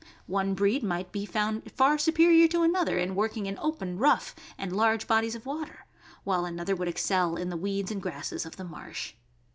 One breed might be found far superior to another in working in open, rough, and large bodies of water, while another would excel in the weeds and grasses of the marsh.